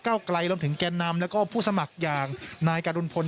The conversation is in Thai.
ไกลรวมถึงแก่นำแล้วก็ผู้สมัครอย่างนายกรุณพล